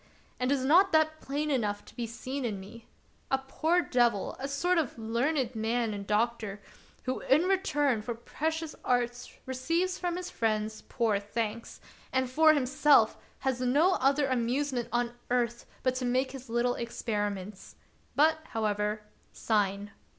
"And is not that plain enough to be seen in me.^ A poor devil, a sort of learned man and doctor, who in return for precious arts receives from his friends poor thanks, and, for himself, has no other amuse ment on earth but to make his little experiments. But, however, sign.